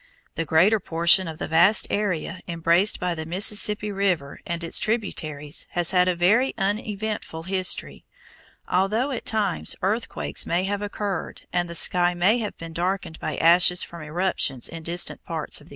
The greater portion of the vast area embraced by the Mississippi River and its tributaries has had a very uneventful history, although at times earthquakes may have occurred and the sky may have been darkened by ashes from eruptions in distant parts of the earth.